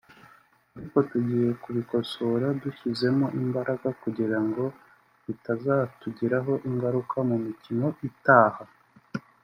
ariko tugiye kubikosora dushyizemo imbaraga kugira ngo bitazatugiraho ingaruka mu mikino itaha”